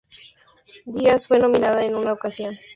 Díaz fue nominada en una ocasión a los Premios Juventud.